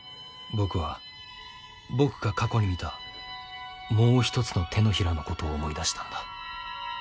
僕は僕が過去に見たもう１つの手のひらのことを思い出したんだ。